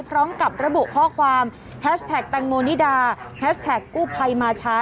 พร้อมกับระบุข้อความแฮชแท็กแตงโมนิดาแฮชแท็กกู้ภัยมาช้า